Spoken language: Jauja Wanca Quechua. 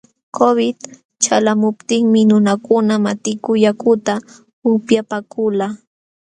Covid ćhalqamuptinmi nunakuna matiku yakuta upyapaakulqa.